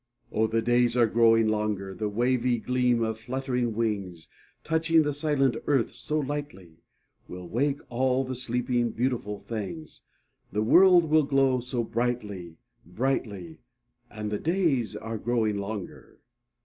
Oh, the days are growing longer, The wavy gleam of fluttering wings, Touching the silent earth so lightly, Will wake all the sleeping, beautiful things, The world will glow so brightly brightly; And the days are growing longer.